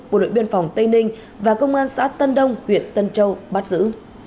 bộ đội biên phòng tây ninh và công an xã tân đông huyện tân châu bắt giữ